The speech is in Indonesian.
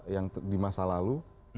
yang di masa lalu